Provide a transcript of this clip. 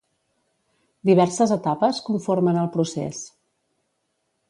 Diverses etapes conformen el procés.